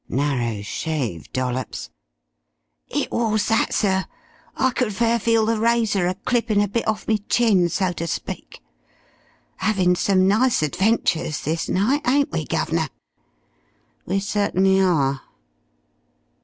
"Narrow shave, Dollops!" "It was that, sir. I could fair feel the razor aclippin' a bit off me chin, so ter speak. 'Avin' some nice adventures this night, ain't we, guv'nor?" "We certainly are."